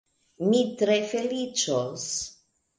Mi tre feliĉos.